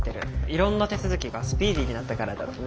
いろんな手続きがスピーディーになったからだろうね。